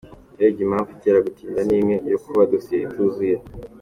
Urebye impamvu itera gutinda ni imwe, yo kuba dosiye ituzuye.